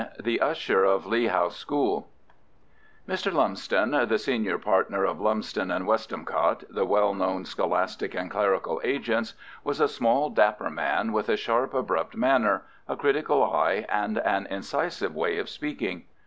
THE USHER OF LEA HOUSE SCHOOL Mr. Lumsden, the senior partner of Lumsden and Westmacott, the well known scholastic and clerical agents, was a small, dapper man, with a sharp, abrupt manner, a critical eye, and an incisive way of speaking.